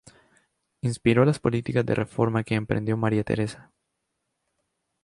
Inspiró las políticas de reforma que emprendió María Teresa.